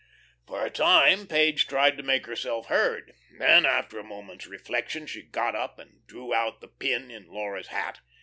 For a time Page tried to make herself heard; then, after a moment's reflection, she got up and drew out the pin in Laura's hat.